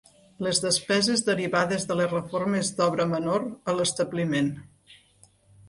Les despeses derivades de les reformes d'obra menor a l'establiment.